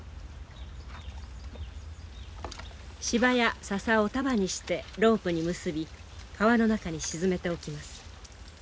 柴や笹を束にしてロープに結び川の中に沈めておきます。